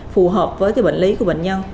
phù hợp với cái bệnh lý của bệnh nhân